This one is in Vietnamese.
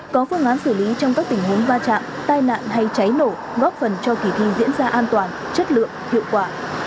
có phương án xử lý trong các tình huống va chạm tai nạn hay cháy nổ góp phần cho kỳ thi diễn ra an toàn chất lượng hiệu quả